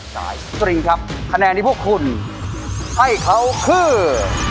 สายสตริงครับคะแนนที่พวกคุณให้เขาคือ